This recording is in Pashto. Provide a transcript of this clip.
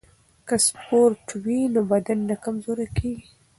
که سپورت وي نو بدن نه کمزوری کیږي.